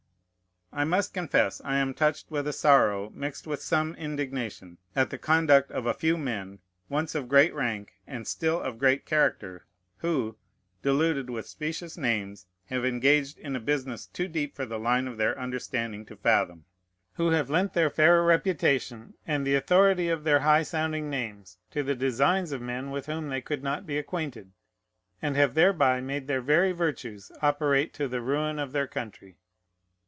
I must confess I am touched with a sorrow mixed with some indignation, at the conduct of a few men, once of great rank, and still of great character, who, deluded with specious names, have engaged in a business too deep for the line of their understanding to fathom, who have lent their fair reputation and the authority of their high sounding names to the designs of men with whom they could not be acquainted, and have thereby made their very virtues operate to the ruin of their country.